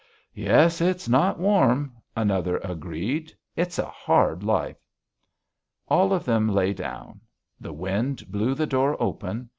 "Yes. It's not warm," another agreed.... "It's a hard life." All of them lay down. The wind blew the door open.